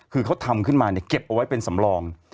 คือเขาทำขึ้นมาเนี่ยเก็บเอาไว้เป็นสำรอง